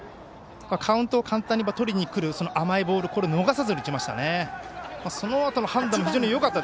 カウントを簡単に取りにくる甘いボールを逃さずに打ちました。